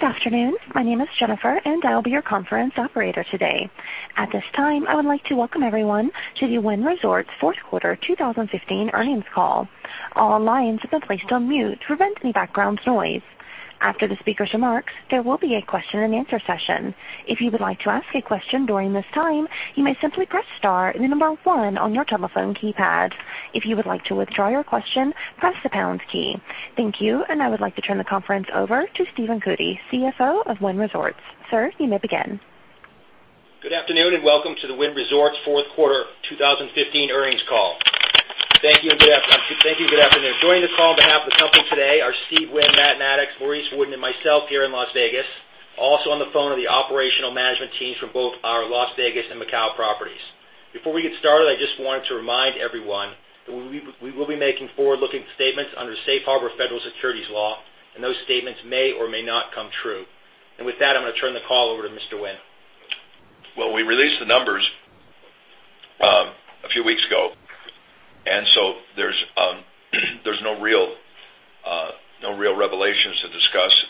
Good afternoon. My name is Jennifer, and I will be your conference operator today. At this time, I would like to welcome everyone to the Wynn Resorts fourth quarter 2015 earnings call. All lines have been placed on mute to prevent any background noise. After the speaker's remarks, there will be a question and answer session. If you would like to ask a question during this time, you may simply press star 1 on your telephone keypad. If you would like to withdraw your question, press the pound key. Thank you. I would like to turn the conference over to Stephen Cootey, CFO of Wynn Resorts. Sir, you may begin. Good afternoon, and welcome to the Wynn Resorts fourth quarter 2015 earnings call. Thank you, and good afternoon. Joining the call on behalf of the company today are Steve Wynn, Matt Maddox, Maurice Wooden, and myself here in Las Vegas. Also on the phone are the operational management teams from both our Las Vegas and Macau properties. Before we get started, I just wanted to remind everyone that we will be making forward-looking statements under Safe Harbor federal securities law, and those statements may or may not come true. With that, I'm going to turn the call over to Mr. Wynn. Well, we released the numbers a few weeks ago, so there's no real revelations to discuss.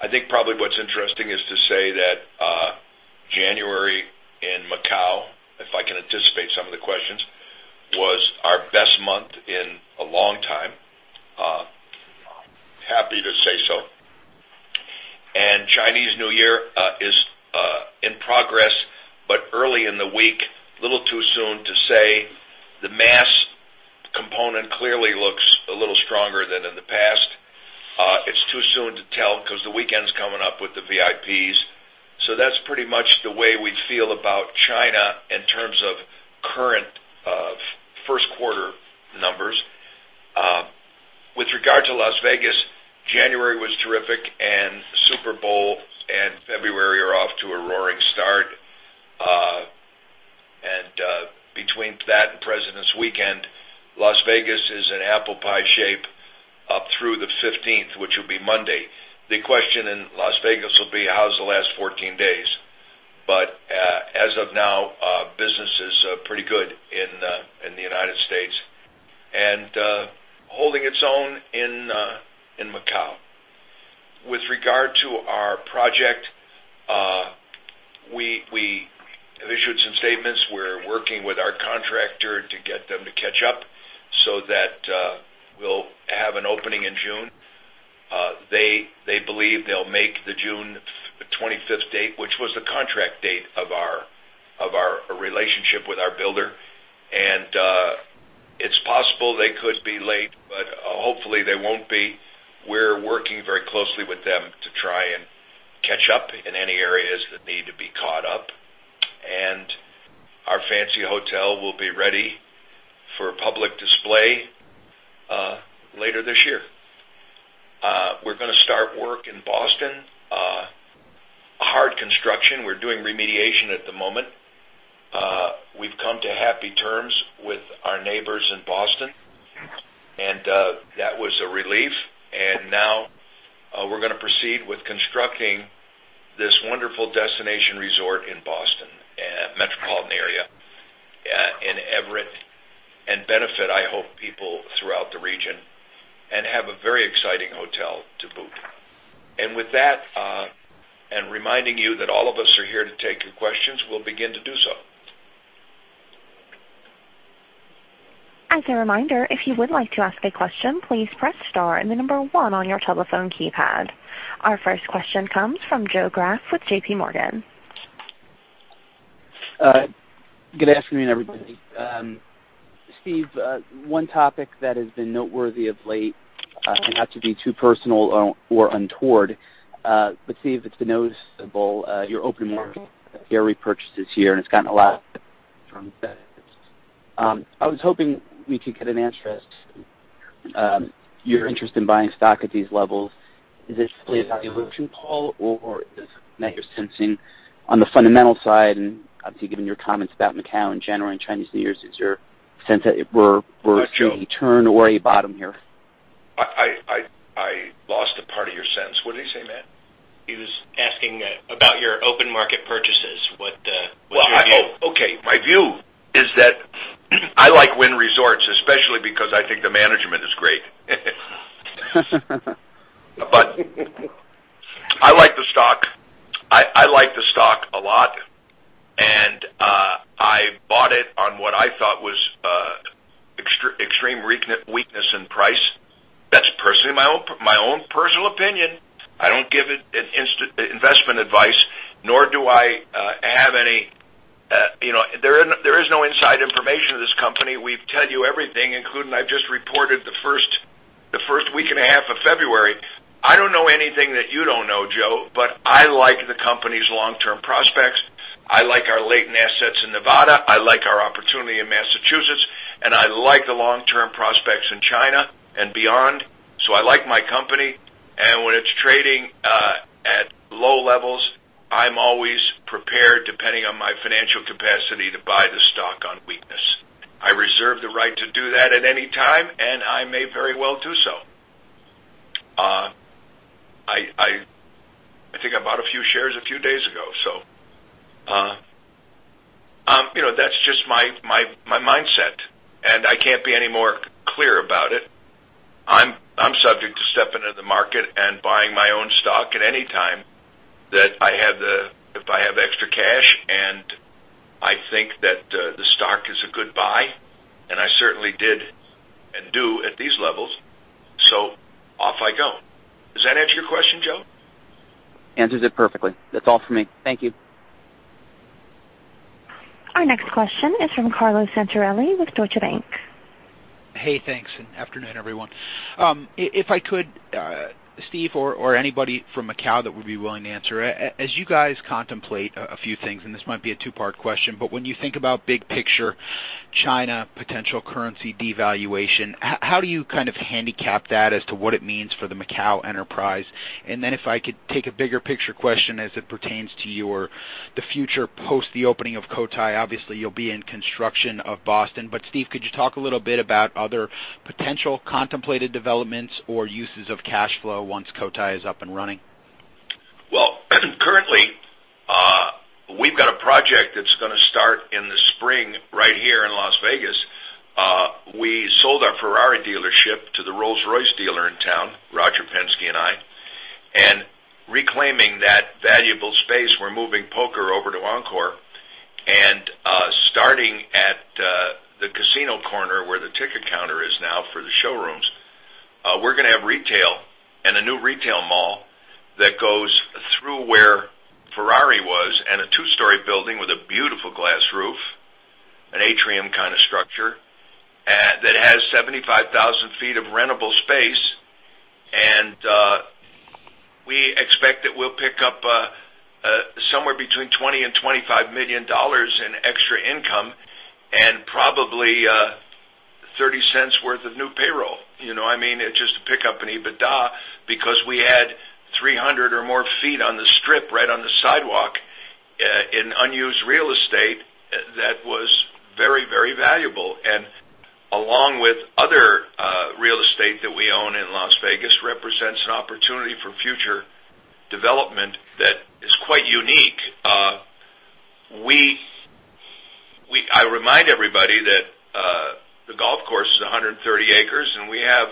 I think probably what's interesting is to say that January in Macau, if I can anticipate some of the questions, was our best month in a long time. Happy to say so. Chinese New Year is in progress, but early in the week, little too soon to say. The mass component clearly looks a little stronger than in the past. It's too soon to tell because the weekend's coming up with the VIPs. So that's pretty much the way we feel about China in terms of current first quarter numbers. With regard to Las Vegas, January was terrific, and Super Bowl and February are off to a roaring start. Between that and President's Weekend, Las Vegas is in apple pie shape up through the 15th, which will be Monday. The question in Las Vegas will be, how's the last 14 days? But as of now, business is pretty good in the U.S. and holding its own in Macau. With regard to our project, we have issued some statements. We're working with our contractor to get them to catch up so that we'll have an opening in June. They believe they'll make the June 25th date, which was the contract date of our relationship with our builder. It's possible they could be late, but hopefully they won't be. We're working very closely with them to try and catch up in any areas that need to be caught up, and our fancy hotel will be ready for public display later this year. We're going to start work in Boston. Hard construction. We're doing remediation at the moment. That was a relief. Now we're going to proceed with constructing this wonderful destination resort in Boston metropolitan area in Everett, and benefit, I hope, people throughout the region and have a very exciting hotel to boot. With that, and reminding you that all of us are here to take your questions, we'll begin to do so. As a reminder, if you would like to ask a question, please press star and the number one on your telephone keypad. Our first question comes from Joe Greff with JPMorgan. Good afternoon, everybody. Steve, one topic that has been noteworthy of late, not to be too personal or untoward, Steve, it's been noticeable, your open market share repurchases year. It's gotten a lot of long-term benefits. I was hoping we could get an answer as to your interest in buying stock at these levels. Is this simply a valuation call or is it that you're sensing on the fundamental side, obviously, given your comments about Macau in general and Chinese New Year, is your sense that we're- Hi, Joe seeing a turn or a bottom here? I lost a part of your sentence. What did he say, Matt? He was asking about your open market purchases. What's your view? Okay. My view is that I like Wynn Resorts, especially because I think the management is great. I like the stock. I like the stock a lot, and I bought it on what I thought was extreme weakness in price. That's my own personal opinion. I don't give investment advice. There is no inside information in this company. We tell you everything, including I've just reported the first week and a half of February. I don't know anything that you don't know, Joe. I like the company's long-term prospects. I like our latent assets in Nevada. I like our opportunity in Massachusetts, and I like the long-term prospects in China and beyond. I like my company, and when it's trading at low levels, I'm always prepared, depending on my financial capacity, to buy the stock on weakness. I reserve the right to do that at any time, and I may very well do so. I think I bought a few shares a few days ago. That's just my mindset, and I can't be any more clear about it. I'm subject to stepping into the market and buying my own stock at any time, that if I have extra cash, and I think that the stock is a good buy, and I certainly did and do at these levels. Off I go. Does that answer your question, Joe? Answers it perfectly. That's all for me. Thank you. Our next question is from Carlo Santarelli with Deutsche Bank. Hey, thanks. Afternoon everyone. If I could, Steve, or anybody from Macau that would be willing to answer. As you guys contemplate a few things, and this might be a two-part question, when you think about big picture China potential currency devaluation, how do you kind of handicap that as to what it means for the Macau enterprise? If I could take a bigger picture question as it pertains to your, the future post the opening of Cotai. Obviously, you'll be in construction of Boston. Steve, could you talk a little bit about other potential contemplated developments or uses of cash flow once Cotai is up and running? Currently, we've got a project that's going to start in the spring, right here in Las Vegas. We sold our Ferrari dealership to the Rolls-Royce dealer in town, Roger Penske and I. Reclaiming that valuable space, we're moving poker over to Encore. Starting at the casino corner, where the ticket counter is now for the showrooms, we're going to have retail and a new retail mall that goes through where Ferrari was, and a two-story building with a beautiful glass roof, an atrium kind of structure. That has 75,000 sq ft of rentable space. We expect that we'll pick up somewhere between $20 million and $25 million in extra income, and probably $0.30 worth of new payroll. I mean, it's just a pickup in EBITDA because we had 300 or more feet on the Strip, right on the sidewalk, in unused real estate that was very valuable. Along with other real estate that we own in Las Vegas, represents an opportunity for future development that is quite unique. I remind everybody that the golf course is 130 acres, and we have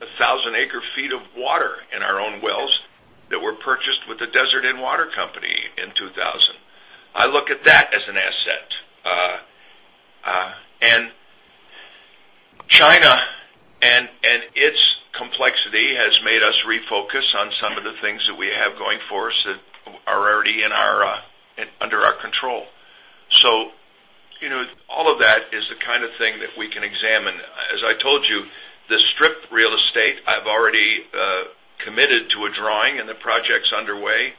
1,000 acre feet of water in our own wells that were purchased with the Desert and Water Company in 2000. I look at that as an asset. China and its complexity has made us refocus on some of the things that we have going for us that are already under our control. All of that is the kind of thing that we can examine. As I told you, the Strip real estate, I've already committed to a drawing, the project's underway.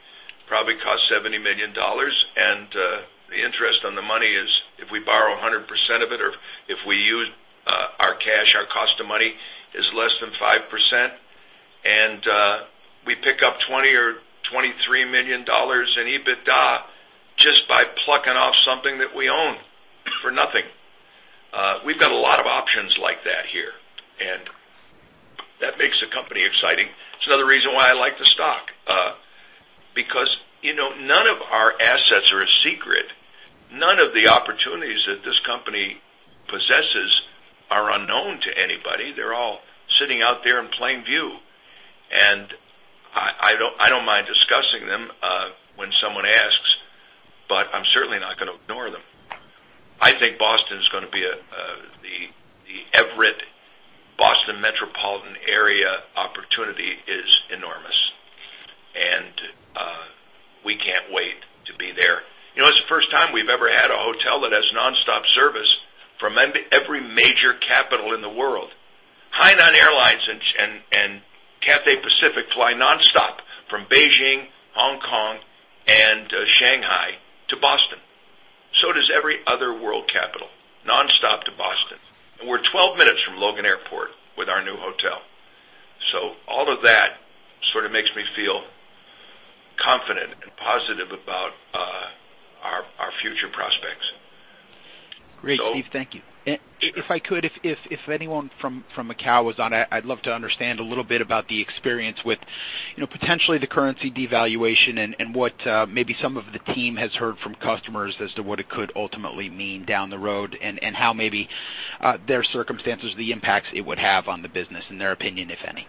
Probably costs $70 million. The interest on the money is if we borrow 100% of it or if we use our cash, our cost of money is less than 5%. We pick up $20 million or $23 million in EBITDA just by plucking off something that we own for nothing. We've got a lot of options like that here, that makes the company exciting. It's another reason why I like the stock, because none of our assets are a secret. None of the opportunities that this company possesses are unknown to anybody. They're all sitting out there in plain view. I don't mind discussing them when someone asks, I'm certainly not going to ignore them. I think Boston's going to be the Everett. Boston metropolitan area opportunity is enormous, we can't wait to be there. It's the first time we've ever had a hotel that has nonstop service from every major capital in the world. Hainan Airlines and Cathay Pacific fly nonstop from Beijing, Hong Kong, and Shanghai to Boston. Does every other world capital, nonstop to Boston. We're 12 minutes from Logan Airport with our new hotel. All of that sort of makes me feel confident and positive about our future prospects. Great, Steve. Thank you. If I could, if anyone from Macau was on, I'd love to understand a little bit about the experience with potentially the currency devaluation and what maybe some of the team has heard from customers as to what it could ultimately mean down the road, and how maybe their circumstances, the impacts it would have on the business, in their opinion, if any.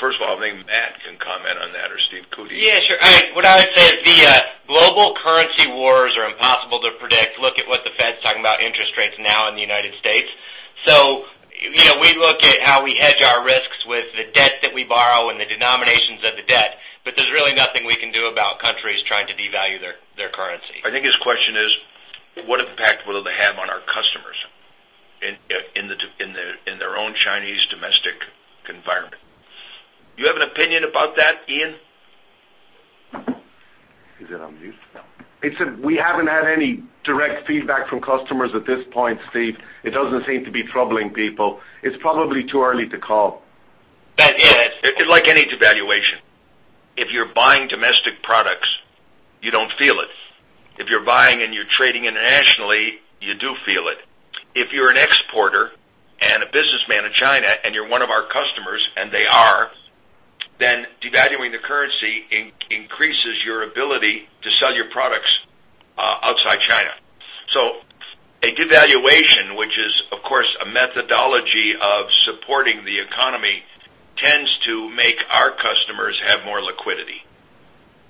First of all, I think Matt can comment on that or Stephen Cootey. Yeah, sure. What I would say is the global currency wars are impossible to predict. Look at what the Fed's talking about interest rates now in the United States. We look at how we hedge our risks with the debt that we borrow and the denominations of the debt. There's really nothing we can do about countries trying to devalue their currency. I think his question is, what impact will it have on our customers in their own Chinese domestic environment? Do you have an opinion about that, Ian? Is it on mute? No. We haven't had any direct feedback from customers at this point, Steve. It doesn't seem to be troubling people. It's probably too early to call. That is. Like any devaluation, if you're buying domestic products, you don't feel it. If you're buying and you're trading internationally, you do feel it. If you're an exporter And they are, then devaluing the currency increases your ability to sell your products outside China. A devaluation, which is, of course, a methodology of supporting the economy, tends to make our customers have more liquidity.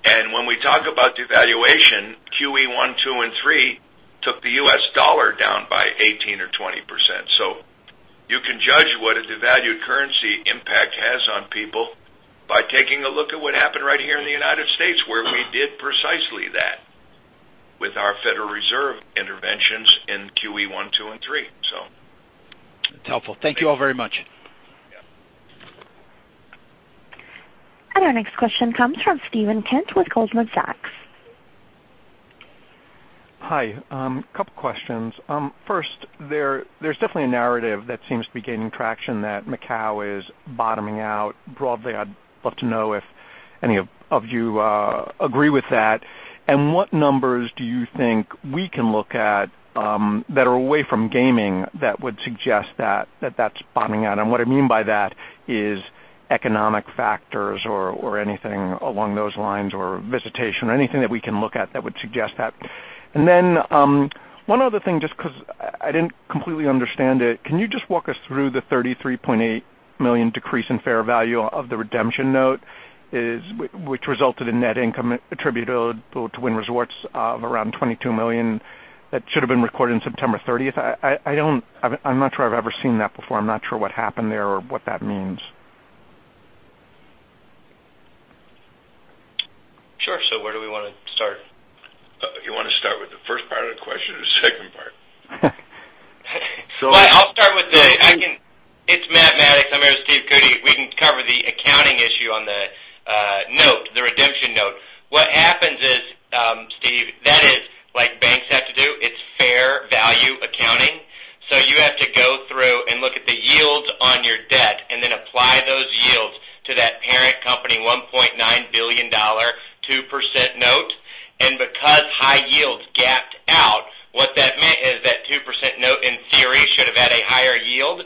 When we talk about devaluation, QE one, two, and three took the U.S. dollar down by 18 or 20%. You can judge what a devalued currency impact has on people by taking a look at what happened right here in the United States, where we did precisely that with our Federal Reserve interventions in QE one, two, and three. That's helpful. Thank you all very much. Yeah. Our next question comes from Stephen Grambling with Goldman Sachs. Hi. A couple questions. First, there's definitely a narrative that seems to be gaining traction that Macau is bottoming out. Broadly, I'd love to know if any of you agree with that. What numbers do you think we can look at that are away from gaming that would suggest that that's bottoming out? What I mean by that is economic factors or anything along those lines, or visitation or anything that we can look at that would suggest that. Then, one other thing, just because I didn't completely understand it. Can you just walk us through the $33.8 million decrease in fair value of the redemption note, which resulted in net income attributable to Wynn Resorts of around $22 million, that should have been recorded in September 30th? I'm not sure I've ever seen that before. I'm not sure what happened there or what that means. Sure. Where do we want to start? You want to start with the first part of the question or the second part? It's mathematics. I'm here with Steve Cootey. We can cover the accounting issue on the note, the redemption note. What happens is, Steve, that is like banks have to do, it's fair value accounting. You have to go through and look at the yields on your debt and then apply those yields to that parent company $1.9 billion, 2% note. Because high yields gapped out, what that meant is that 2% note in theory should have had a higher yield.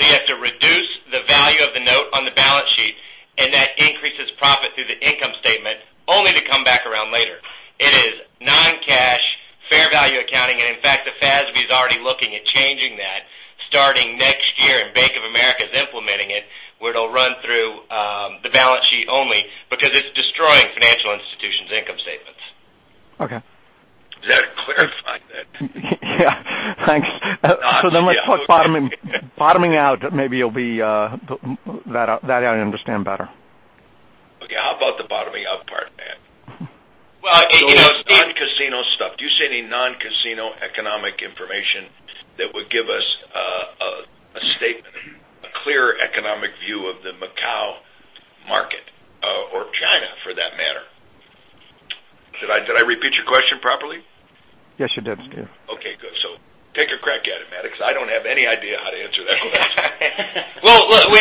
You have to reduce the value of the note on the balance sheet, and that increases profit through the income statement, only to come back around later. It is non-cash fair value accounting. In fact, the FASB is already looking at changing that starting next year, and Bank of America is implementing it, where it'll run through the balance sheet only because it's destroying financial institutions' income statements. Okay. Does that clarify that? Yeah. Thanks. No. Let's talk bottoming out. Maybe that I understand better. Okay. How about the bottoming out part, Matt? Well, Steve. Non-casino stuff. Do you see any non-casino economic information that would give us a statement, a clear economic view of the Macau market, or China for that matter? Did I repeat your question properly? Yes, you did, Steve. Okay, good. Take a crack at it, Matt, because I don't have any idea how to answer that question. Well, look, we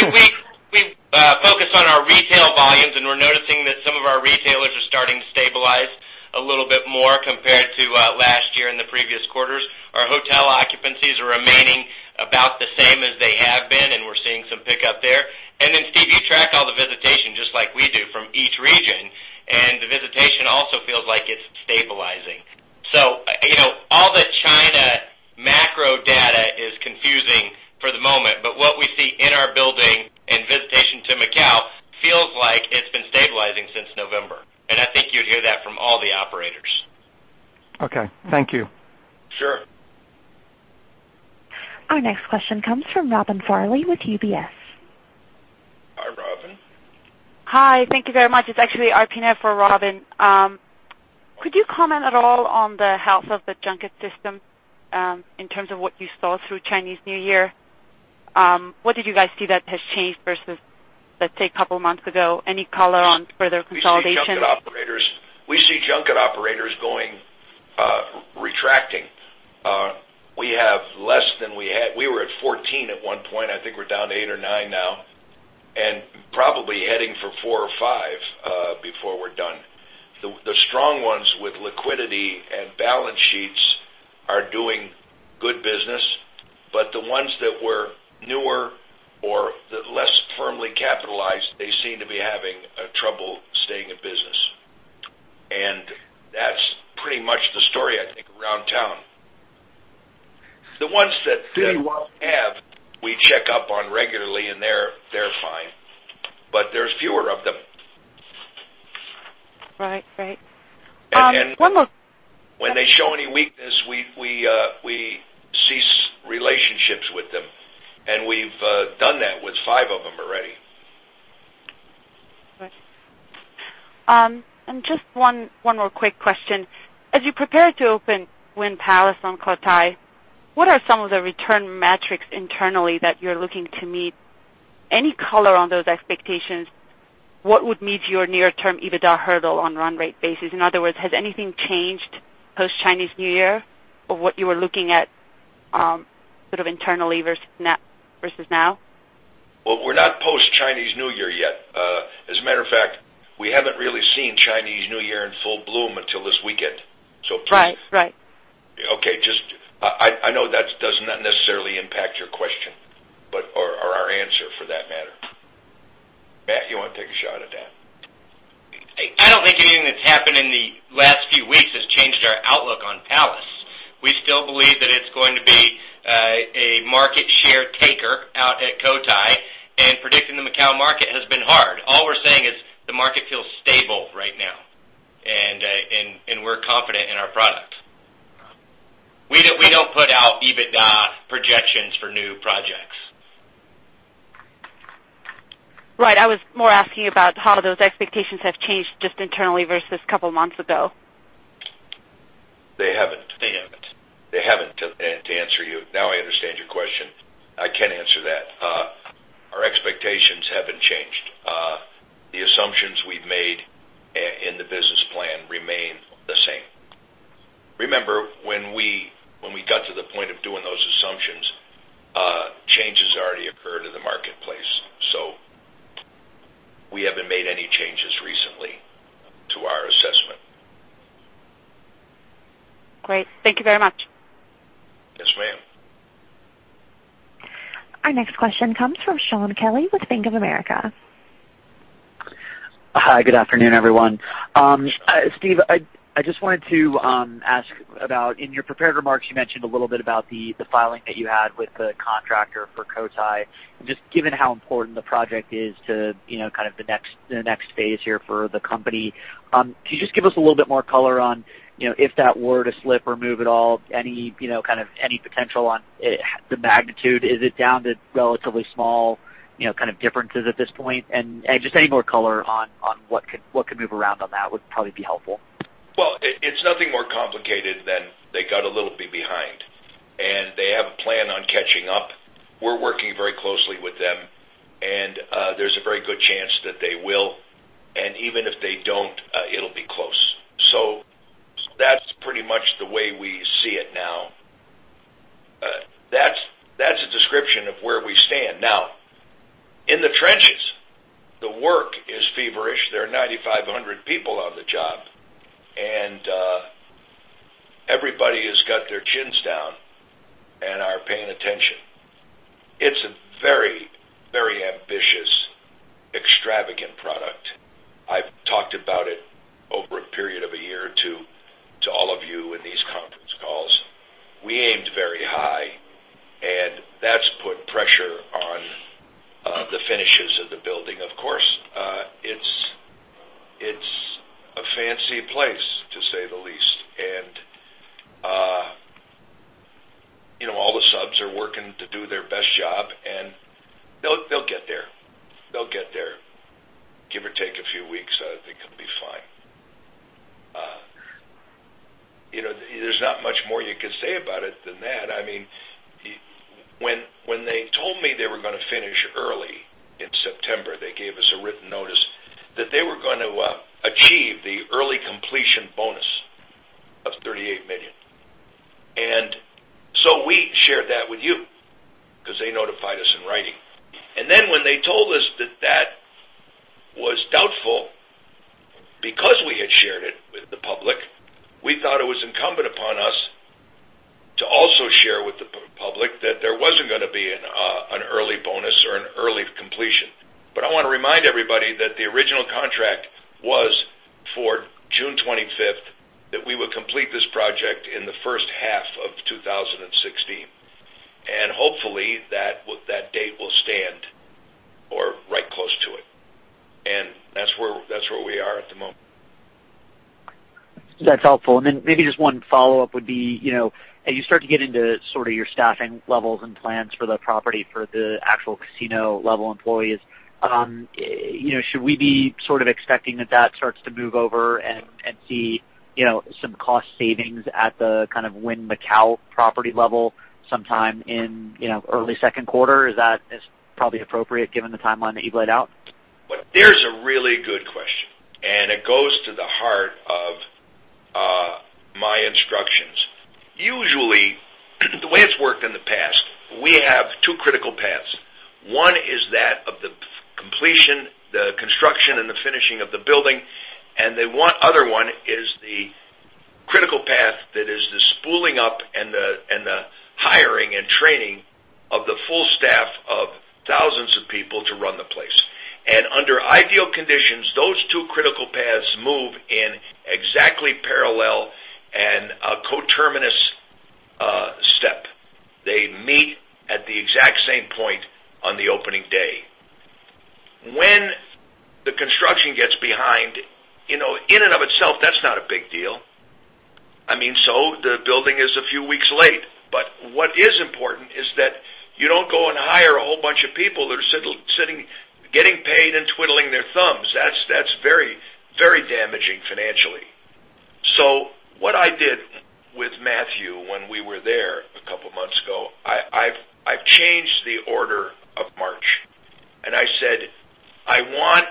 focus on our retail volumes, and we're noticing that some of our retailers are starting to stabilize a little bit more compared to last year and the previous quarters. Our hotel occupancies are remaining about the same as they have been, and we're seeing some pickup there. Steve, you track all the visitation, just like we do from each region, and the visitation also feels like it's stabilizing. All the China macro data is confusing for the moment, but what we see in our building and visitation to Macau feels like it's been stabilizing since November. I think you'd hear that from all the operators. Okay. Thank you. Sure. Our next question comes from Robin Farley with UBS. Hi, Robin. Hi. Thank you very much. It's actually Arpine for Robin. Could you comment at all on the health of the junket system, in terms of what you saw through Chinese New Year? What did you guys see that has changed versus, let's say, a couple of months ago? Any color on further consolidation? We see junket operators retracting. We have less than we had. We were at 14 at one point. I think we're down to eight or nine now, and probably heading for four or five, before we're done. The strong ones with liquidity and balance sheets are doing good business, but the ones that were newer or less firmly capitalized, they seem to be having trouble staying in business. That's pretty much the story, I think, around town. The ones that have, we check up on regularly, and they're fine, but there's fewer of them. Right. One more- When they show any weakness, we cease relationships with them, and we've done that with five of them already. Right. Just one more quick question. As you prepare to open Wynn Palace on Cotai, what are some of the return metrics internally that you're looking to meet? Any color on those expectations? What would meet your near term EBITDA hurdle on run rate basis? In other words, has anything changed post Chinese New Year or what you were looking at sort of internally versus now? Well, we're not post Chinese New Year yet. As a matter of fact, we haven't really seen Chinese New Year in full bloom until this weekend. Right Okay. Just I know that does not necessarily impact your question, or our answer, for that matter. Matthew, you want to take a shot at that? I don't think anything that's happened in the last few weeks has changed our outlook on Wynn Palace. We still believe that it's going to be a market share taker out at Cotai, and predicting the Macau market has been hard. All we're saying is the market feels stable right now, and we're confident in our product. We don't put out EBITDA projections for new projects. Right. I was more asking about how those expectations have changed just internally versus a couple of months ago. They haven't. They haven't. They haven't, to answer you. I understand your question. I can answer that. Our expectations haven't changed. The assumptions we've made in the business plan remain the same. Remember, when we got to the point of doing those assumptions, changes already occurred in the marketplace. We haven't made any changes recently to our assessment. Great. Thank you very much. Yes, ma'am. Our next question comes from Shaun Kelley with Bank of America. Hi, good afternoon, everyone. Steve, I just wanted to ask about, in your prepared remarks, you mentioned a little bit about the filing that you had with the contractor for Cotai. Just given how important the project is to kind of the next phase here for the company, can you just give us a little bit more color on if that were to slip or move at all, any potential on the magnitude? Is it down to relatively small differences at this point? Just any more color on what could move around on that would probably be helpful. Well, it's nothing more complicated than they got a little bit behind, and they have a plan on catching up. We're working very closely with them, and there's a very good chance that they will. Even if they don't, it'll be close. That's pretty much the way we see it now. That's a description of where we stand. Now, in the trenches, the work is feverish. There are 9,500 people on the job, and everybody has got their chins down and are paying attention. It's a very ambitious, extravagant product. I've talked about it over a period of a year or two to all of you in these conference calls. We aimed very high, and that's put pressure on the finishes of the building. Of course, it's a fancy place, to say the least. All the subs are working to do their best job, and they'll get there. Give or take a few weeks, I think it'll be fine. There's not much more you could say about it than that. When they told me they were going to finish early in September, they gave us a written notice that they were going to achieve the early completion bonus of $38 million. We shared that with you because they notified us in writing. When they told us that was doubtful because we had shared it with the public, we thought it was incumbent upon us to also share with the public that there wasn't going to be an early bonus or an early completion. I want to remind everybody that the original contract was for June 25th, that we would complete this project in the first half of 2016. Hopefully, that date will stand or right close to it. That's where we are at the moment. That's helpful. Maybe just one follow-up would be, as you start to get into sort of your staffing levels and plans for the property for the actual casino level employees, should we be sort of expecting that that starts to move over and see some cost savings at the kind of Wynn Macau property level sometime in early second quarter? Is that probably appropriate given the timeline that you've laid out? There's a really good question, and it goes to the heart of my instructions. Usually, the way it's worked in the past, we have two critical paths. One is that of the completion, the construction, and the finishing of the building, and the other one is the critical path that is the spooling up and the hiring and training of the full staff of thousands of people to run the place. Under ideal conditions, those two critical paths move in exactly parallel and a coterminous step. They meet at the exact same point on the opening day. When the construction gets behind, in and of itself, that's not a big deal. The building is a few weeks late. What is important is that you don't go and hire a whole bunch of people that are sitting, getting paid and twiddling their thumbs. That's very damaging financially. What I did with Matthew when we were there a couple of months ago, I've changed the order of march, and I said, "I want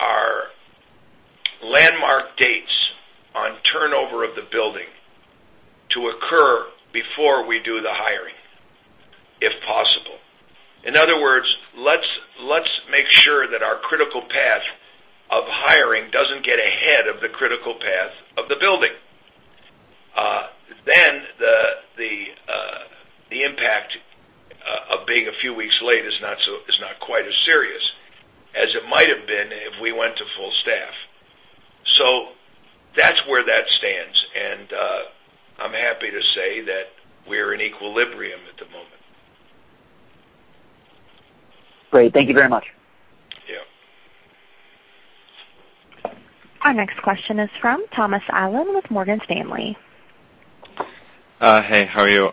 our landmark dates on turnover of the building to occur before we do the hiring, if possible." In other words, let's make sure that our critical path doesn't get ahead of the critical path of the building. The impact of being a few weeks late is not quite as serious as it might have been if we went to full staff. That's where that stands, and I'm happy to say that we're in equilibrium at the moment. Great. Thank you very much. Yeah. Our next question is from Thomas Allen with Morgan Stanley. Hey, how are you?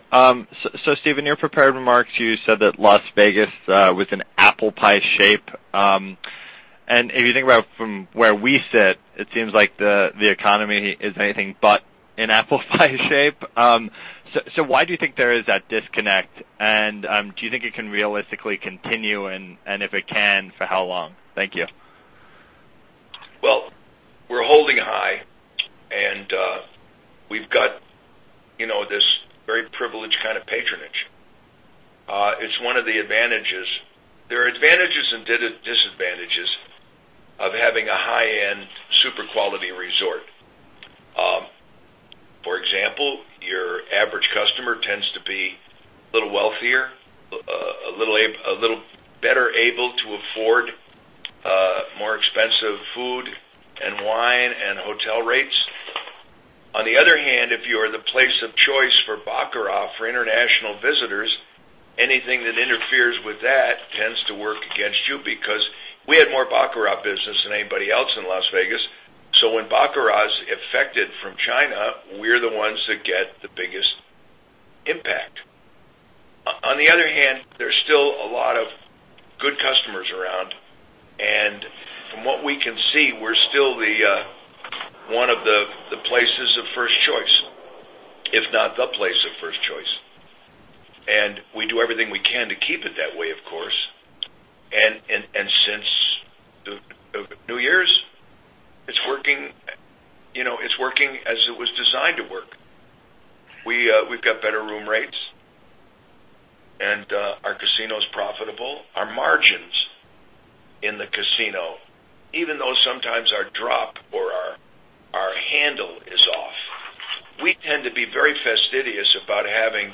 Stephen, your prepared remarks, you said that Las Vegas was in apple pie shape. If you think about from where we sit, it seems like the economy is anything but in apple pie shape. Why do you think there is that disconnect? Do you think it can realistically continue, and if it can, for how long? Thank you. Well, we're holding high and we've got this very privileged kind of patronage. It's one of the advantages. There are advantages and disadvantages of having a high-end, super quality resort. For example, your average customer tends to be a little wealthier, a little better able to afford more expensive food and wine and hotel rates. On the other hand, if you are the place of choice for baccarat for international visitors, anything that interferes with that tends to work against you because we had more baccarat business than anybody else in Las Vegas, so when baccarat's affected from China, we're the ones that get the biggest impact. On the other hand, there's still a lot of good customers around, and from what we can see, we're still one of the places of first choice, if not the place of first choice. We do everything we can to keep it that way, of course. Since New Year's, it's working as it was designed to work. We've got better room rates and our casino's profitable. Our margins in the casino, even though sometimes our drop or our handle is off, we tend to be very fastidious about having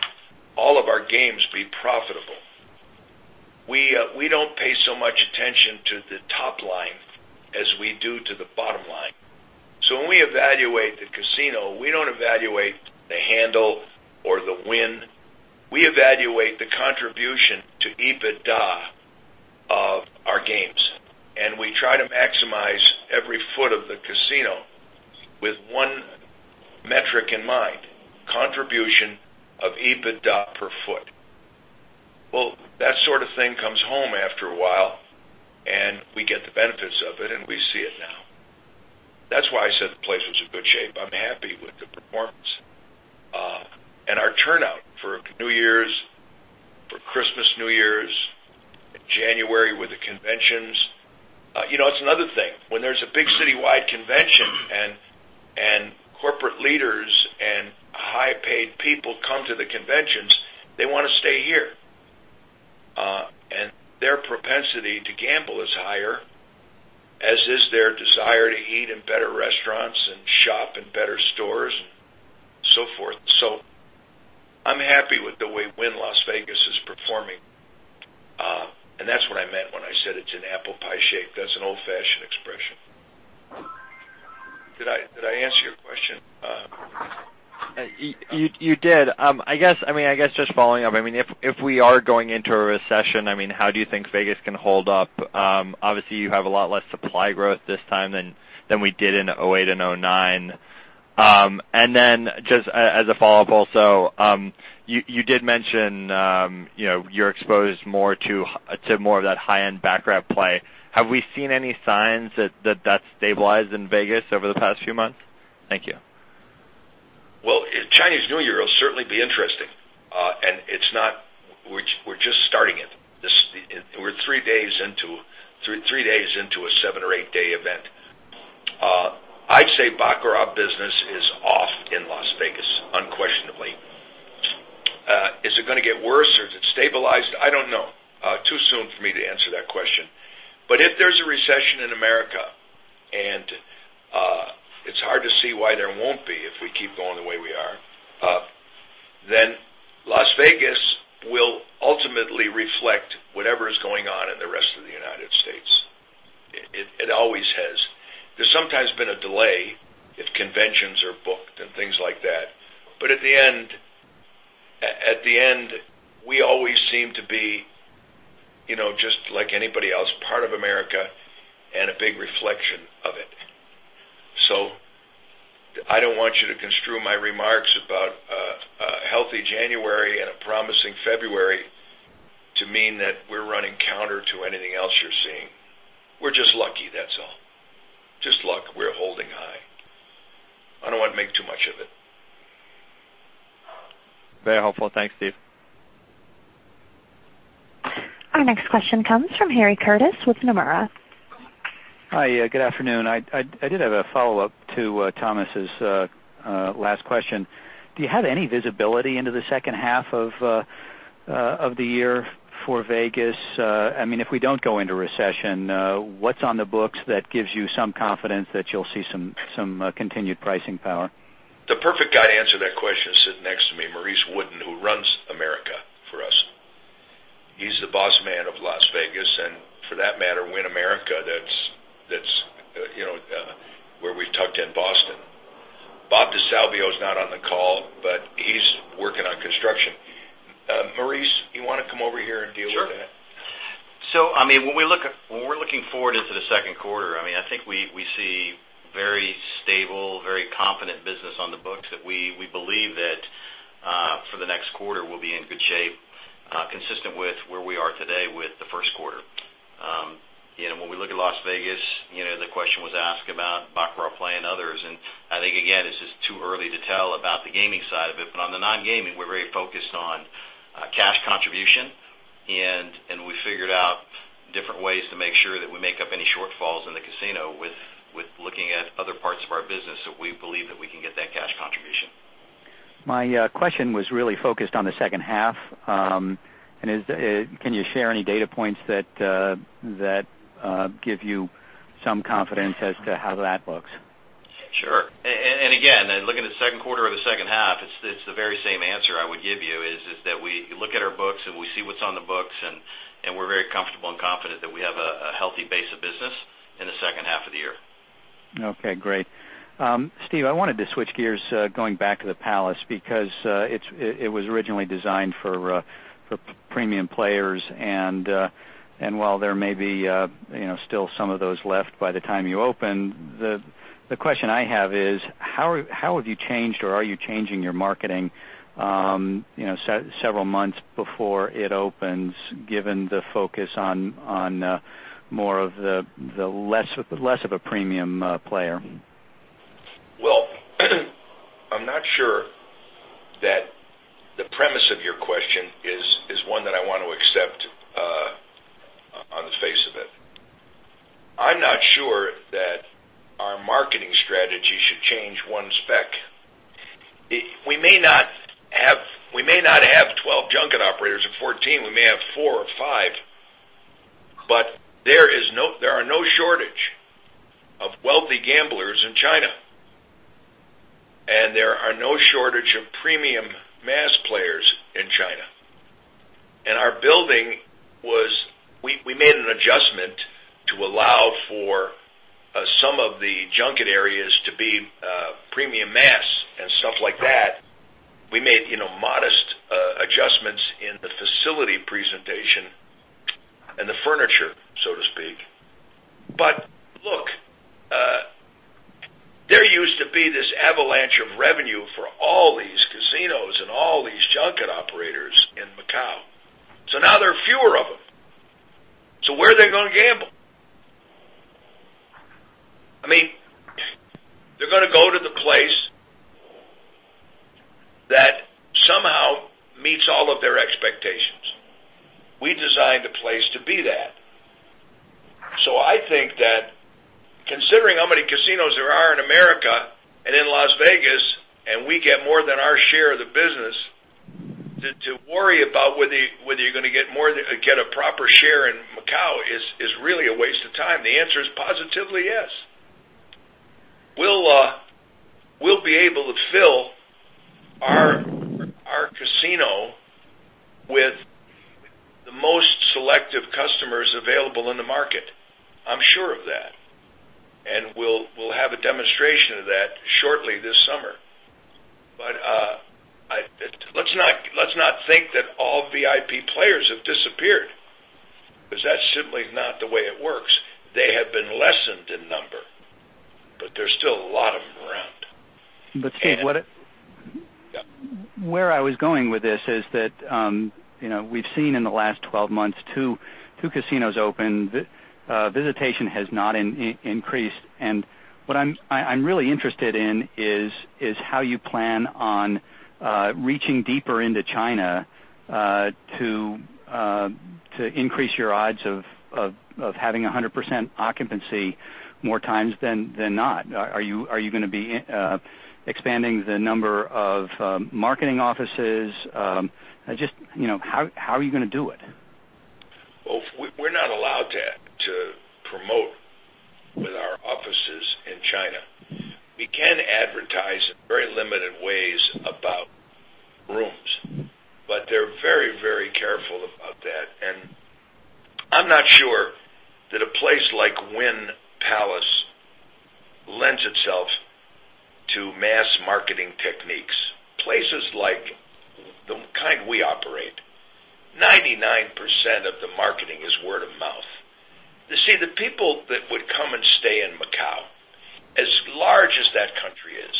all of our games be profitable. We don't pay so much attention to the top line as we do to the bottom line. When we evaluate the casino, we don't evaluate the handle or the win. We evaluate the contribution to EBITDA of our games, and we try to maximize every foot of the casino with one metric in mind, contribution of EBITDA per foot. Well, that sort of thing comes home after a while, and we get the benefits of it, and we see it now. That's why I said the place was in good shape. I'm happy with the performance. Our turnout for New Year's, for Christmas, New Year's, and January with the conventions. It's another thing. When there's a big citywide convention and corporate leaders and high-paid people come to the conventions, they want to stay here. Their propensity to gamble is higher, as is their desire to eat in better restaurants and shop in better stores and so forth. I'm happy with the way Wynn Las Vegas is performing. That's what I meant when I said it's an apple pie shape. That's an old-fashioned expression. Did I answer your question? You did. I guess just following up, if we are going into a recession, how do you think Vegas can hold up? Obviously, you have a lot less supply growth this time than we did in 2008 and 2009. Then just as a follow-up also, you did mention you're exposed more to more of that high-end baccarat play. Have we seen any signs that that's stabilized in Vegas over the past few months? Thank you. Chinese New Year will certainly be interesting. We're just starting it. We're three days into a seven or eight-day event. I'd say baccarat business is off in Las Vegas, unquestionably. Is it going to get worse or is it stabilized? I don't know. Too soon for me to answer that question. If there's a recession in America, it's hard to see why there won't be if we keep going the way we are, then Las Vegas will ultimately reflect whatever is going on in the rest of the United States. It always has. There's sometimes been a delay if conventions are booked and things like that. At the end, we always seem to be just like anybody else, part of America and a big reflection of it. I don't want you to construe my remarks about a healthy January and a promising February to mean that we're running counter to anything else you're seeing. We're just lucky, that's all. Just luck. We're holding high. I don't want to make too much of it. Very helpful. Thanks, Steve. Our next question comes from Harry Curtis with Nomura. Hi. Good afternoon. I did have a follow-up to Thomas Allen's last question. Do you have any visibility into the second half of the year for Vegas. If we don't go into recession, what's on the books that gives you some confidence that you'll see some continued pricing power? The perfect guy to answer that question is sitting next to me, Maurice Wooden, who runs America for us. He's the boss man of Las Vegas, and for that matter, Wynn America, that's where we've tucked in Boston. Robert DeSalvio is not on the call, but he's working on construction. Maurice, you want to come over here and deal with that? Sure. When we're looking forward into the second quarter, I think we see very stable, very confident business on the books that we believe that for the next quarter, we'll be in good shape, consistent with where we are today with the first quarter. When we look at Las Vegas, the question was asked about Baccarat play and others, and I think, again, it's just too early to tell about the gaming side of it. But on the non-gaming, we're very focused on cash contribution, and we figured out different ways to make sure that we make up any shortfalls in the casino with looking at other parts of our business. We believe that we can get that cash contribution. My question was really focused on the second half. Can you share any data points that give you some confidence as to how that looks? Sure. Again, looking at the second quarter or the second half, it's the very same answer I would give you, is that we look at our books and we see what's on the books, and we're very comfortable and confident that we have a healthy base of business in the second half of the year. Okay, great. Steve, I wanted to switch gears going back to the Palace, because it was originally designed for premium players. While there may be still some of those left by the time you open, the question I have is, how have you changed, or are you changing your marketing several months before it opens, given the focus on more of the less of a premium player? Well, I'm not sure that the premise of your question is one that I want to accept on the face of it. I'm not sure that our marketing strategy should change one spec. We may not have 12 junket operators or 14. We may have four or five, but there are no shortage of wealthy gamblers in China, and there are no shortage of premium mass players in China. We made an adjustment to allow for some of the junket areas to be premium mass and stuff like that. We made modest adjustments in the facility presentation and the furniture, so to speak. Look, there used to be this avalanche of revenue for all these casinos and all these junket operators in Macau. Now there are fewer of them. Where are they going to gamble? They're going to go to the place that somehow meets all of their expectations. We designed a place to be that. I think that considering how many casinos there are in America and in Las Vegas, we get more than our share of the business, to worry about whether you're going to get a proper share in Macau is really a waste of time. The answer is positively yes. We'll be able to fill our casino with the most selective customers available in the market. I'm sure of that, we'll have a demonstration of that shortly this summer. Let's not think that all VIP players have disappeared, because that's simply not the way it works. They have been lessened in number, but there's still a lot of them around. Steve. Yeah. Where I was going with this is that we've seen in the last 12 months, two casinos open. Visitation has not increased. What I'm really interested in is how you plan on reaching deeper into China to increase your odds of having 100% occupancy more times than not. Are you going to be expanding the number of marketing offices? Just how are you going to do it? We're not allowed to promote with our offices in China. We can advertise in very limited ways about rooms, but they're very careful about that. I'm not sure that a place like Wynn Palace lends itself to mass marketing techniques. Places like the kind we operate, 99% of the marketing is word of mouth. You see, the people that would come and stay in Macau, as large as that country is,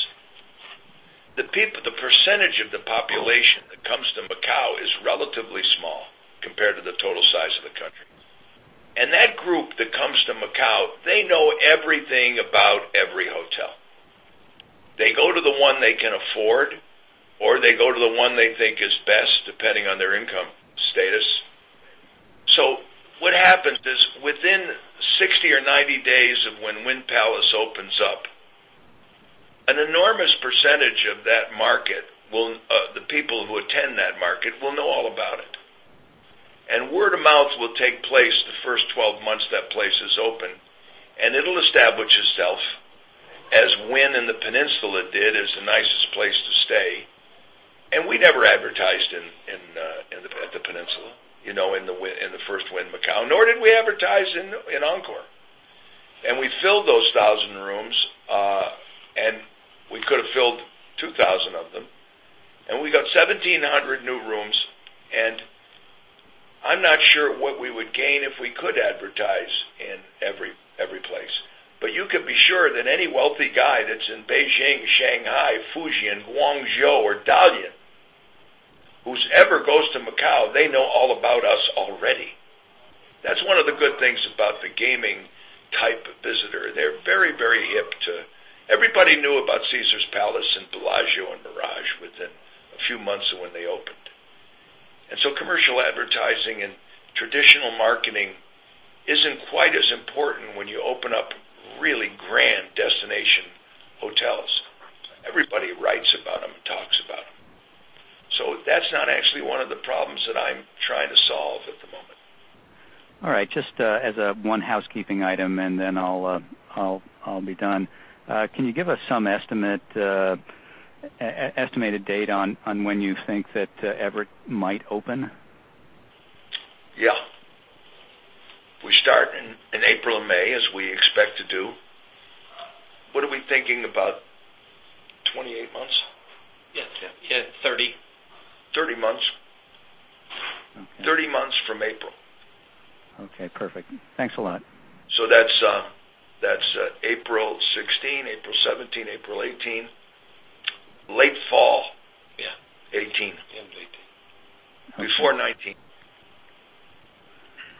the percentage of the population that comes to Macau is relatively small compared to the total size of the country. That group that comes to Macau, they know everything about every hotel. They go to the one they can afford, or they go to the one they think is best, depending on their income status. What happens is within 60 or 90 days of when Wynn Palace opens up. An enormous percentage of the people who attend that market will know all about it. Word of mouth will take place the first 12 months that place is open, and it'll establish itself as Wynn and The Peninsula did as the nicest place to stay. We never advertised at The Peninsula, in the first Wynn Macau, nor did we advertise in Encore. We filled those 1,000 rooms, and we could've filled 2,000 of them. We got 1,700 new rooms, and I'm not sure what we would gain if we could advertise in every place. You could be sure that any wealthy guy that's in Beijing, Shanghai, Fujian, Guangzhou, or Dalian, whose ever goes to Macau, they know all about us already. That's one of the good things about the gaming type of visitor. They're very hip. Everybody knew about Caesars Palace and Bellagio and The Mirage within a few months of when they opened. Commercial advertising and traditional marketing isn't quite as important when you open up really grand destination hotels. Everybody writes about them and talks about them. That's not actually one of the problems that I'm trying to solve at the moment. All right. Just as one housekeeping item, and then I'll be done. Can you give us some estimated date on when you think that Everett might open? Yeah. We start in April or May, as we expect to do. What are we thinking about 28 months? Yeah. 30. 30 months. Okay. 30 months from April. Okay, perfect. Thanks a lot. That's April 2016, April 2017, April 2018. Late fall. Yeah. 2018. End of 2018. Before 2019.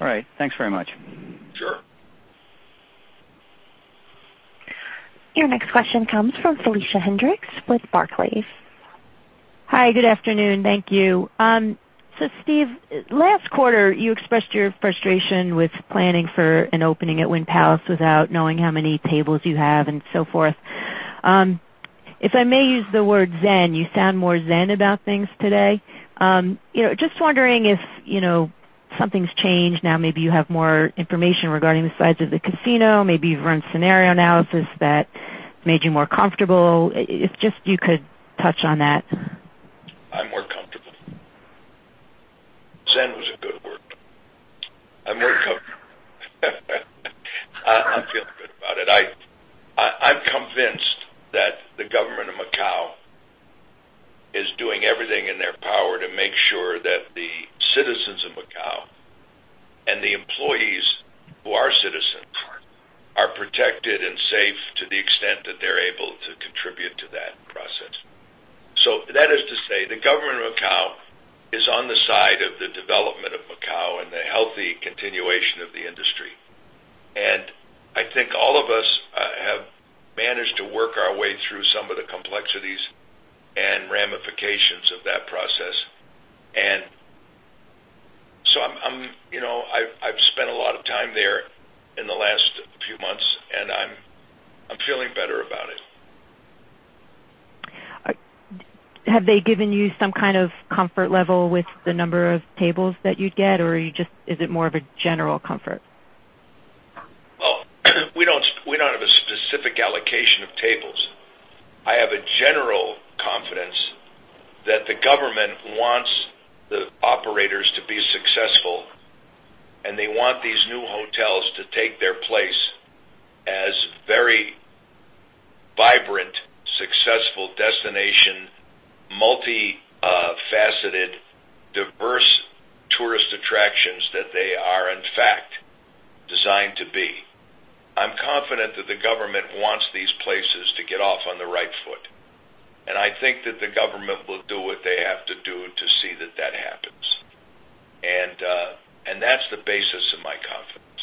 All right. Thanks very much. Sure. Your next question comes from Felicia Hendrix with Barclays. Hi, good afternoon. Thank you. Steve, last quarter, you expressed your frustration with planning for an opening at Wynn Palace without knowing how many tables you have and so forth. If I may use the word zen, you sound more zen about things today. Just wondering if something's changed now, maybe you have more information regarding the size of the casino, maybe you've run scenario analysis that made you more comfortable? If just you could touch on that. I'm more comfortable. Zen was a good word. I'm more comfortable. I feel good about it. I'm convinced that the government of Macau is doing everything in their power to make sure that the citizens of Macau and the employees who are citizens are protected and safe to the extent that they're able to contribute to that process. That is to say, the government of Macau is on the side of the development of Macau and the healthy continuation of the industry. I think all of us have managed to work our way through some of the complexities and ramifications of that process. I've spent a lot of time there in the last few months, and I'm feeling better about it. Have they given you some kind of comfort level with the number of tables that you'd get, or is it more of a general comfort? We don't have a specific allocation of tables. I have a general confidence that the government wants the operators to be successful, and they want these new hotels to take their place as very vibrant, successful destination, multi-faceted, diverse tourist attractions that they are, in fact, designed to be. I'm confident that the government wants these places to get off on the right foot. I think that the government will do what they have to do to see that that happens. That's the basis of my confidence.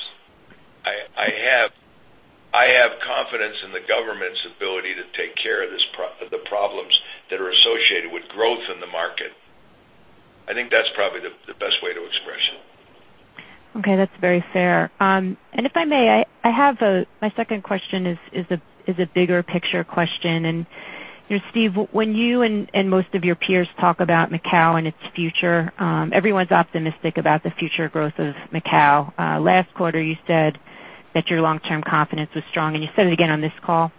I have confidence in the government's ability to take care of the problems that are associated with growth in the market. I think that's probably the best way to express it. Okay, that's very fair. If I may, my second question is a bigger picture question. Steve, when you and most of your peers talk about Macau and its future, everyone's optimistic about the future growth of Macau. Last quarter, you said that your long-term confidence was strong, and you said it again on this call.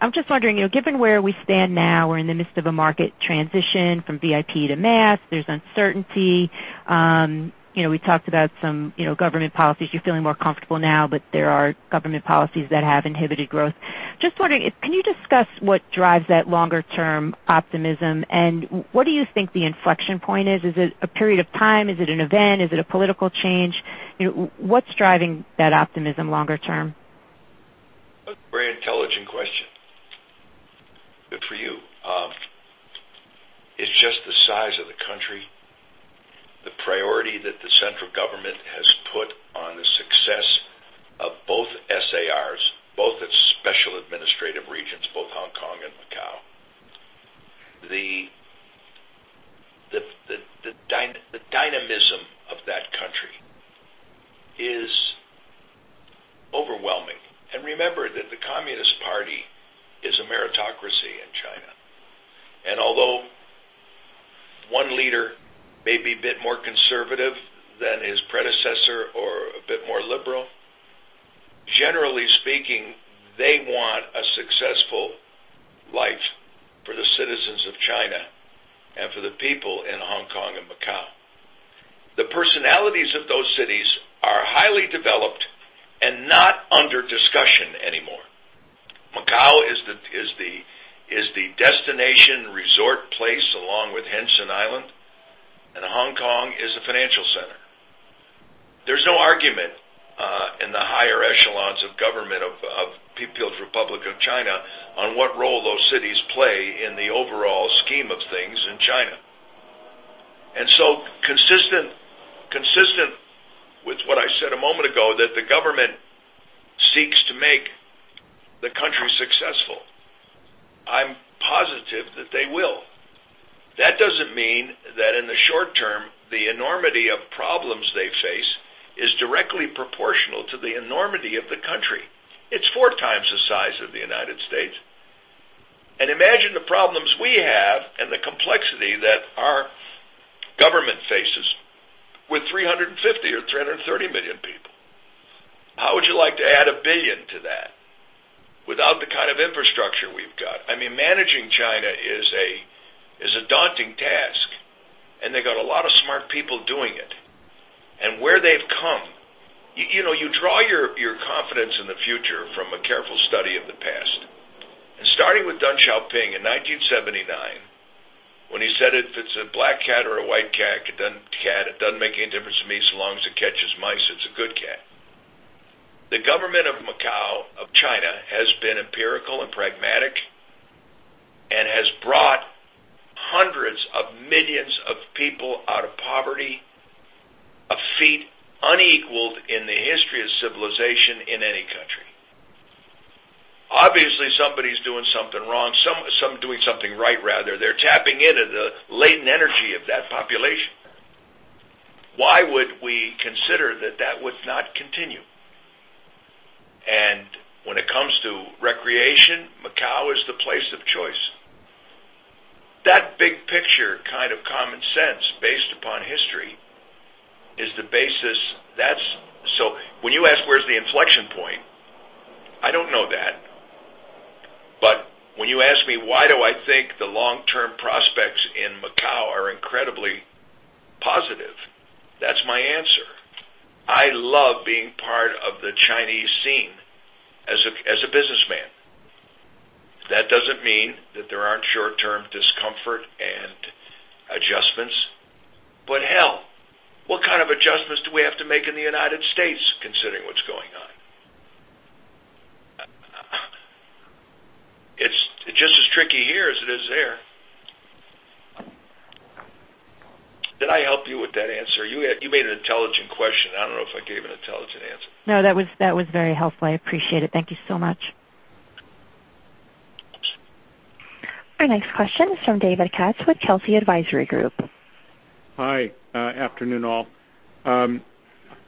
I'm just wondering, given where we stand now, we're in the midst of a market transition from VIP to mass. There's uncertainty. We talked about some government policies. You're feeling more comfortable now, but there are government policies that have inhibited growth. Just wondering, can you discuss what drives that longer-term optimism, and what do you think the inflection point is? Is it a period of time? Is it an event? Is it a political change? What's driving that optimism longer term? A very intelligent question. Good for you. It's just the size of the country, the priority that the central government has put on the success of both SARs, both its Special Administrative Regions, both Hong Kong and Macau. ism of that country is overwhelming. Remember that the Communist Party is a meritocracy in China. Although one leader may be a bit more conservative than his predecessor or a bit more liberal, generally speaking, they want a successful life for the citizens of China and for the people in Hong Kong and Macau. The personalities of those cities are highly developed and not under discussion anymore. Macau is the destination resort place along with Hengqin Island, and Hong Kong is a financial center. There's no argument in the higher echelons of government of the People's Republic of China on what role those cities play in the overall scheme of things in China. Consistent with what I said a moment ago, that the government seeks to make the country successful. I'm positive that they will. That doesn't mean that in the short term, the enormity of problems they face is directly proportional to the enormity of the country. It's four times the size of the U.S. Imagine the problems we have and the complexity that our government faces with 350 or 330 million people. How would you like to add 1 billion to that without the kind of infrastructure we've got? Managing China is a daunting task, they got a lot of smart people doing it. Where they've come, you draw your confidence in the future from a careful study of the past. Starting with Deng Xiaoping in 1979, when he said, "If it's a black cat or a white cat, it doesn't make any difference to me. So long as it catches mice, it's a good cat." The government of Macau, of China, has been empirical and pragmatic and has brought hundreds of millions of people out of poverty, a feat unequaled in the history of civilization in any country. Obviously, somebody's doing something right. They're tapping into the latent energy of that population. Why would we consider that that would not continue? When it comes to recreation, Macau is the place of choice. That big picture kind of common sense, based upon history, is the basis. When you ask where's the inflection point, I don't know that. When you ask me why do I think the long-term prospects in Macau are incredibly positive, that's my answer. I love being part of the Chinese scene as a businessman. That doesn't mean that there aren't short-term discomfort and adjustments. Hell, what kind of adjustments do we have to make in the United States considering what's going on? It's just as tricky here as it is there. Did I help you with that answer? You made an intelligent question. I don't know if I gave an intelligent answer. No, that was very helpful. I appreciate it. Thank you so much. Our next question is from David Katz with Telsey Advisory Group. Hi, afternoon, all.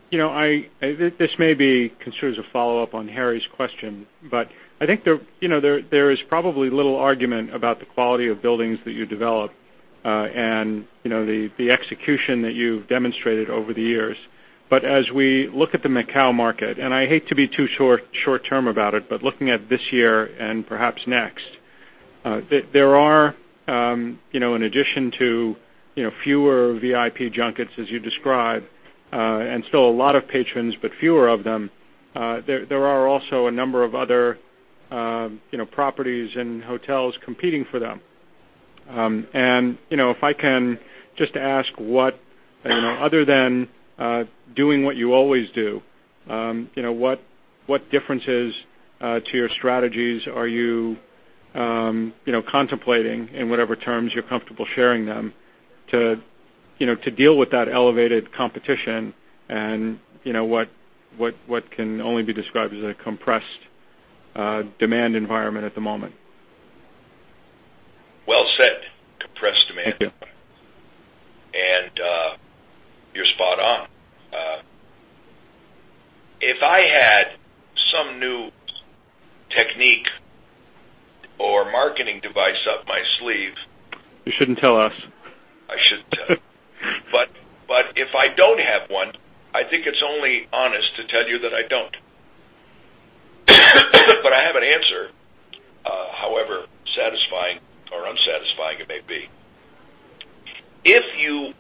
This may be considered as a follow-up on Harry's question, I think there is probably little argument about the quality of buildings that you develop, and the execution that you've demonstrated over the years. As we look at the Macau market, and I hate to be too short-term about it, looking at this year and perhaps next, there are in addition to fewer VIP junkets as you described, and still a lot of patrons, but fewer of them, there are also a number of other properties and hotels competing for them. If I can just ask, other than doing what you always do, what differences to your strategies are you contemplating in whatever terms you're comfortable sharing them to deal with that elevated competition and what can only be described as a compressed demand environment at the moment? Well said. Compressed demand. Thank you. You're spot on. If I had some new technique or marketing device up my sleeve. You shouldn't tell us. I shouldn't tell. If I don't have one, I think it's only honest to tell you that I don't. I have an answer, however satisfying or unsatisfying it may be. If you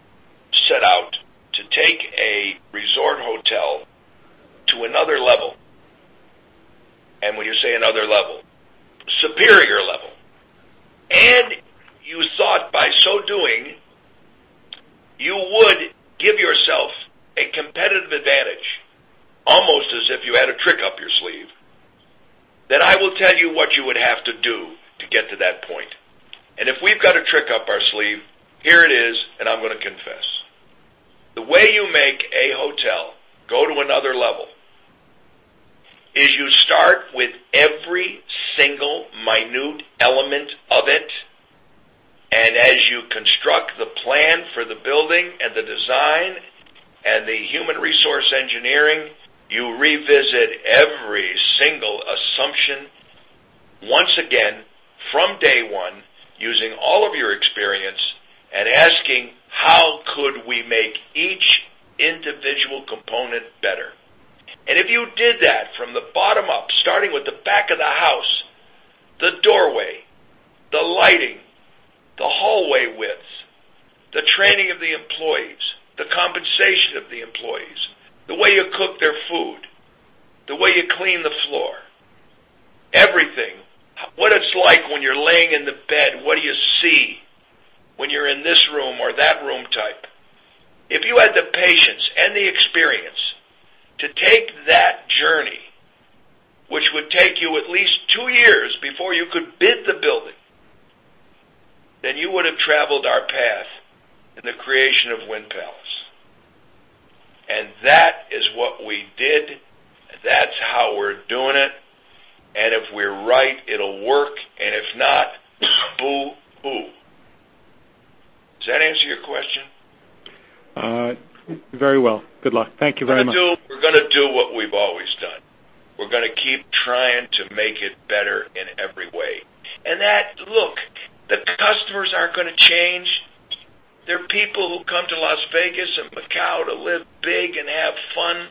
set out to take a resort hotel to another level, and when you say another level, superior level, and you thought by so doing, you would give yourself a competitive advantage, almost as if you had a trick up your sleeve, then I will tell you what you would have to do to get to that point. If we've got a trick up our sleeve, here it is, and I'm going to confess. The way you make a hotel go to another level. With every single minute element of it, and as you construct the plan for the building and the design and the human resource engineering, you revisit every single assumption once again from day one, using all of your experience and asking how could we make each individual component better. If you did that from the bottom up, starting with the back of the house, the doorway, the lighting, the hallway widths, the training of the employees, the compensation of the employees, the way you cook their food, the way you clean the floor, everything. What it's like when you're laying in the bed. What do you see when you're in this room or that room type? If you had the patience and the experience to take that journey, which would take you at least two years before you could build the building, then you would have traveled our path in the creation of Wynn Palace. That is what we did. That's how we're doing it. If we're right, it'll work. If not, boo-hoo. Does that answer your question? Very well. Good luck. Thank you very much. We're going to do what we've always done. We're going to keep trying to make it better in every way. Look, the customers aren't going to change. They're people who come to Las Vegas and Macau to live big and have fun,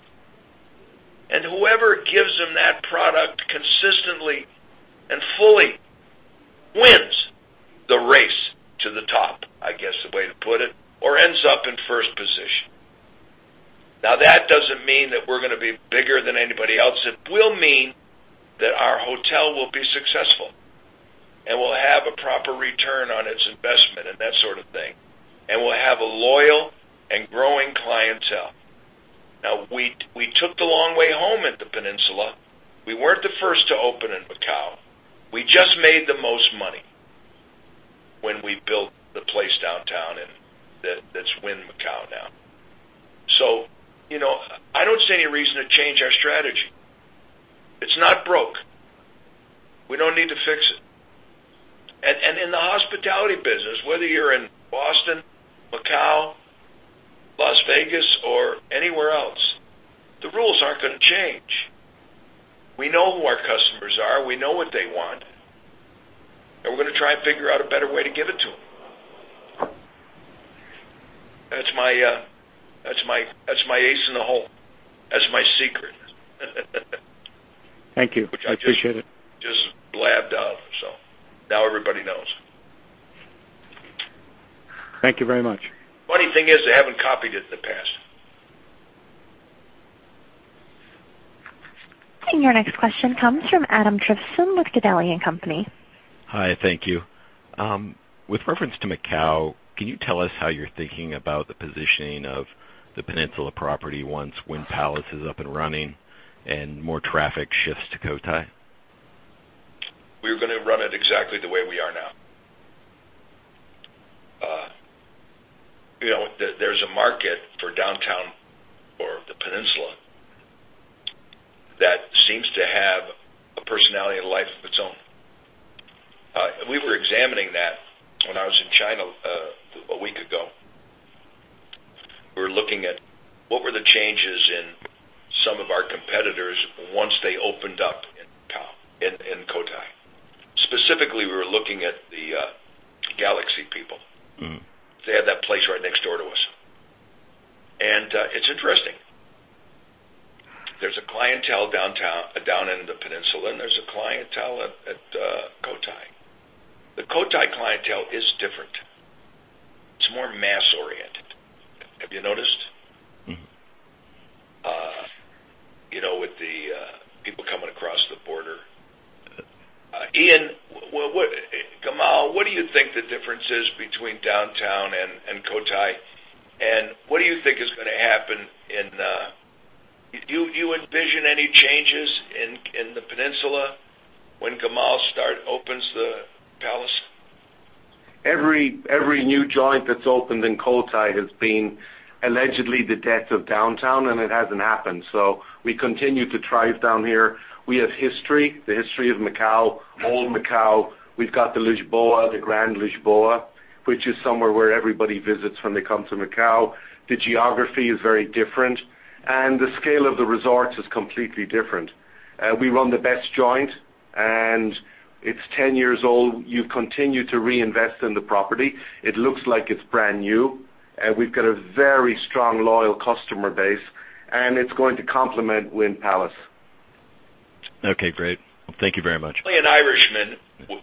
and whoever gives them that product consistently and fully wins the race to the top, I guess the way to put it, or ends up in first position. That doesn't mean that we're going to be bigger than anybody else. It will mean that our hotel will be successful, and we'll have a proper return on its investment and that sort of thing, and we'll have a loyal and growing clientele. We took the long way home at the Peninsula. We weren't the first to open in Macau. We just made the most money when we built the place downtown, and that's Wynn Macau now. I don't see any reason to change our strategy. It's not broke. We don't need to fix it. In the hospitality business, whether you're in Boston, Macau, Las Vegas, or anywhere else, the rules aren't going to change. We know who our customers are. We know what they want, and we're going to try and figure out a better way to give it to them. That's my ace in the hole. That's my secret. Thank you. I appreciate it. Which I just blabbed out, now everybody knows. Thank you very much. Funny thing is, they haven't copied it in the past. Your next question comes from Adam Trivison with Gabelli & Company. Hi. Thank you. With reference to Macau, can you tell us how you're thinking about the positioning of the Peninsula property once Wynn Palace is up and running and more traffic shifts to Cotai? We're going to run it exactly the way we are now. There's a market for downtown or the Peninsula that seems to have a personality and life of its own. We were examining that when I was in China a week ago. We were looking at what were the changes in some of our competitors once they opened up in Cotai. Specifically, we were looking at the Galaxy people. They had that place right next door to us. It's interesting. There's a clientele down in the Peninsula, and there's a clientele at Cotai. The Cotai clientele is different. It's more mass-oriented. Have you noticed? With the people coming across the border. Ian, Gamal, what do you think the difference is between Downtown and Cotai, and what do you think is going to happen? Do you envision any changes in the Peninsula when Gamal opens the Palace? Every new joint that's opened in Cotai has been allegedly the death of Downtown, and it hasn't happened. We continue to thrive down here. We have history, the history of Macau, old Macau. We've got the Hotel Lisboa, the Grand Lisboa, which is somewhere where everybody visits when they come to Macau. The geography is very different, and the scale of the resorts is completely different. We run the best joint, and it's 10 years old. You continue to reinvest in the property. It looks like it's brand new. We've got a very strong, loyal customer base, and it's going to complement Wynn Palace. Okay, great. Thank you very much. Only an Irishman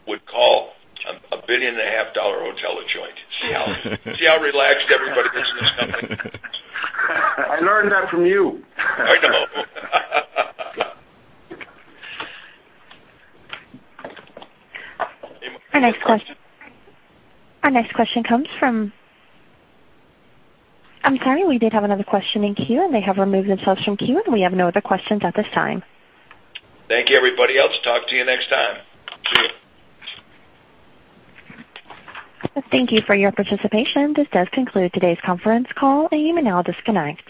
would call a billion and a half dollar hotel a joint. See how relaxed everybody is in this company? I learned that from you. Right, Gamal. Our next question comes from I'm sorry, we did have another question in queue, and they have removed themselves from queue, and we have no other questions at this time. Thank you, everybody else. Talk to you next time. See you. Thank you for your participation. This does conclude today's conference call, and you may now disconnect.